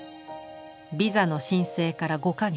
ビザの申請から５か月。